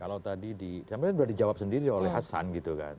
kalau tadi di sampe udah dijawab sendiri oleh hasan gitu kan